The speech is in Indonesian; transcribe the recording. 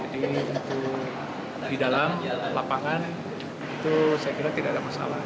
jadi itu di dalam lapangan itu saya kira tidak ada masalah